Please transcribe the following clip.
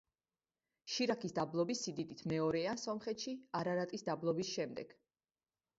შირაქის დაბლობი სიდიდით მეორეა სომხეთში, არარატის დაბლობის შემდეგ.